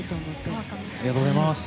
ありがとうございます。